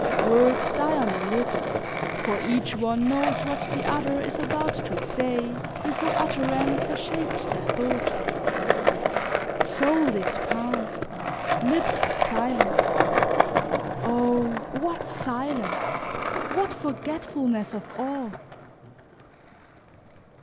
Words die on the lips, for each one knows what the other is about to say before utterance has shaped the thought. Souls expand, lips are silent. Oh! what silence! What forgetfulness of all!